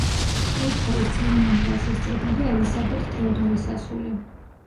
კურთხევის ცერემონიალს ესწრებოდა ელისაბედ თევდორეს ასული.